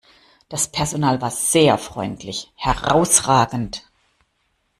Das Personal war sehr freundlich, herrausragend!